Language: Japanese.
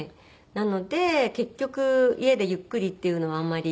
なので結局家でゆっくりっていうのはあんまり。